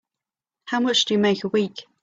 How much do you make a week?